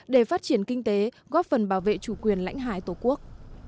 để phát triển kinh tế góp phần bảo vệ chủ quyền lãnh hải tổ quốc